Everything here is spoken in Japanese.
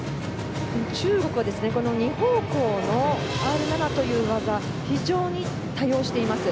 中国は２方向の技を非常に多用しています。